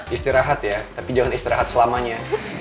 istirahat ya tapi jangan istirahat selamanya